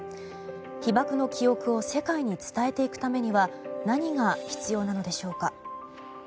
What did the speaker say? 被爆の記憶を世界に伝えていくためには何が必要なのでしょうか。